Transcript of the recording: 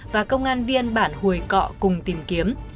và công an viên bản hồi cọ cùng tìm kiếm